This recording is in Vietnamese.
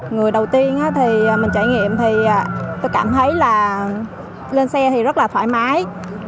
người đầu tiên thì mình trải nghiệm thì tôi cảm thấy là lên xe thì rất là thoải mái